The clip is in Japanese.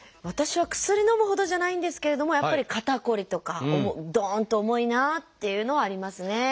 私は薬のむほどじゃないんですけれどもやっぱり肩こりとかどんと重いなっていうのはありますね。